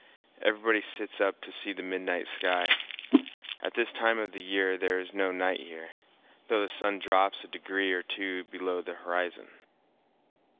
Everybody sits up to see the midnight sky. At this time of the year there is no night here, though the sun drops a degree or two below the horizon.